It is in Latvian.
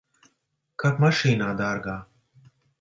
Kāp mašīnā, dārgā.